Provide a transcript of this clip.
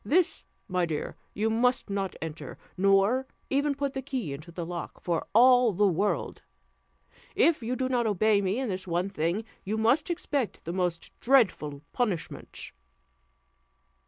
This, my dear, you must not enter, nor even put the key into the lock, for all the world. If you do not obey me in this one thing, you must expect the most dreadful punishments."